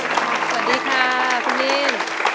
สวัสดีค่ะคุณนิ่ม